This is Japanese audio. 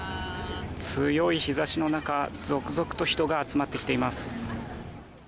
強い日差しの中続々と人が集まってきています。